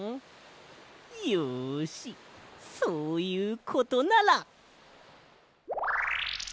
よしそういうことなら。